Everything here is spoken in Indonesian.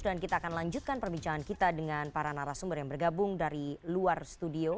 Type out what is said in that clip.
dan kita akan lanjutkan perbincangan kita dengan para narasumber yang bergabung dari luar studio